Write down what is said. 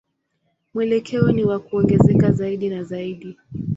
Mwelekeo ni wa kuongezeka zaidi na zaidi.